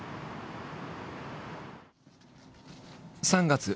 ３月。